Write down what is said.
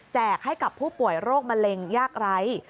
ให้กับผู้ป่วยโรคมะเร็งยากไร้